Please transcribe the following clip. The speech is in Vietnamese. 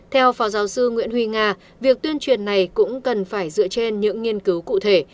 theo phó giáo sư nguyễn huy nga việc tuyên truyền này cũng cần phải dựa trên những nghiên cứu cụ thể